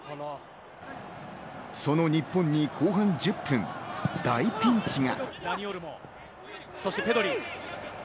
その日本に後半１０分、大ピンチが。